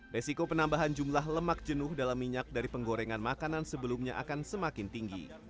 resiko penambahan jumlah lemak jenuh dalam minyak dari penggorengan makanan sebelumnya akan semakin tinggi